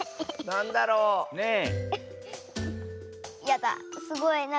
なんだろう？え。え？